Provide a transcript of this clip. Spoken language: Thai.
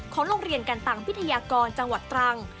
โรงเรียนกันตังพิทยากรจังหวัดตรัง